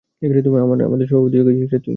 আমাদের সভাপতি হয়ে গেছিস তুই!